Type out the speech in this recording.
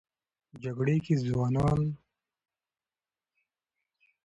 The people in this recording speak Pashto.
جګړې کې ځوان افغانان د خپل وطن لپاره زړورتیا وښودله.